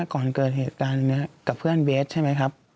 ก่อนเกิดเหตุการณ์นี้กับเพื่อนเวสใช่ไหมครับ